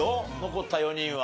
残った４人は。